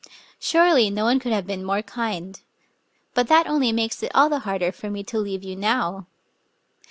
Surely no one could have been more kind. But that only makes it all the harder for me to leave you now.